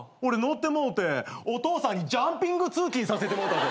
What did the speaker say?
ッてもうてお父さんにジャンピング通勤させてもうた。